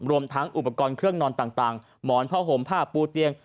รวมทั้งอุปกรณ์เครื่องนอนต่างหมอนผ้าห่มผ้าปูเตียง